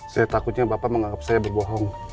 saya takutnya bapak menganggap saya berbohong